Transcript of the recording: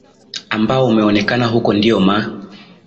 ambao umeonekana huko ndio ma